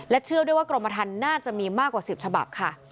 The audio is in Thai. เชื่อด้วยว่ากรมธรรมน่าจะมีมากกว่า๑๐ฉบับค่ะ